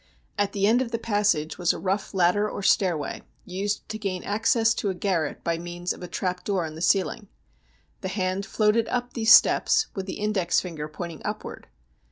At the end of the passage was a rough ladder or stairway, used to gain access to a garret by means of a trap door in the ceiling. The hand floated up these steps with the index finger pointing upward.